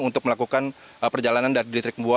untuk melakukan perjalanan dari distrik mbua